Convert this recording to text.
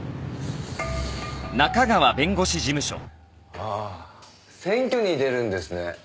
ああ選挙に出るんですね。